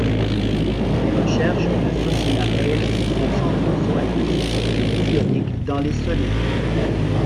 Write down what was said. Les recherches de Sossina Haile sont centrées sur la conductivité ionique dans les solides.